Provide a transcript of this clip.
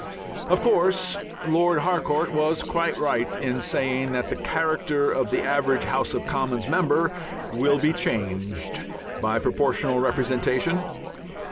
Of course Lord Harcourt was quite right in saying that the character of the average House of Commons member will be changed by Proportional Representation.